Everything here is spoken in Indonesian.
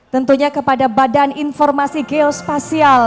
tentunya kepada badan informasi geospasial